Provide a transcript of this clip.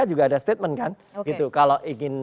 juga ada statement kan gitu kalau ingin